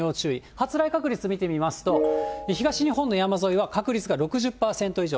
発雷確率見てみますと、東日本の山沿いは確率が６０％以上。